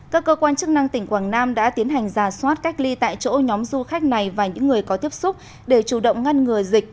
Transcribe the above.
các cơ quan chức năng tỉnh quảng nam đã tiến hành giả soát cách ly tại chỗ nhóm du khách này và những người có tiếp xúc để chủ động ngăn ngừa dịch